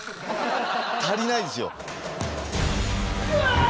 足りないですよ。